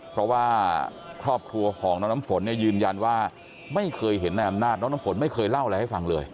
เพราะว่าครอบครัวของน้องน้ำฝนเนี่ยยืนยันว่าไม่เคยเห็นในอำนาจน้องน้ำฝนไม่เคยเล่าอะไรให้ฟังเลย